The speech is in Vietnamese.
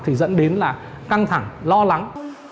thì dẫn đến là căng thẳng lo lắng